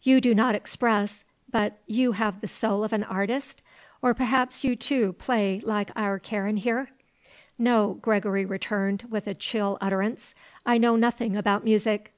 "You do not express, but you have the soul of an artist? Or perhaps you, too, play, like our Karen here." "No," Gregory returned, with a chill utterance. "I know nothing about music."